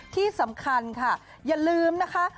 ที่สำคัญค่ะอย่าลืมนะคะ